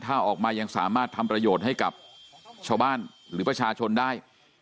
ถ้าออกมายังสามารถทำประโยชน์ให้กับชาวบ้านหรือประชาชนได้